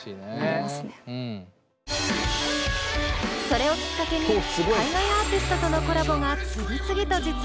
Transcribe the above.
それをきっかけに海外アーティストとのコラボが次々と実現。